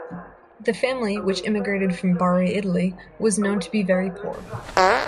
The family, which immigrated from Bari, Italy, was known to be very poor.